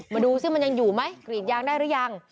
ดูสิมันยังอยู่ไหมกรีดยางได้หรือยัง